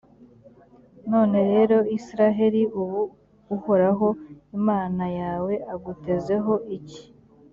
none rero israheli, ubu uhoraho imana yawe agutezeho iki?